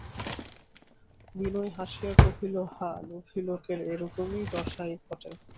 বিনয় হাসিয়া কহিল, হাঁ, লোভী লোকের এইরকম দশাই ঘটে।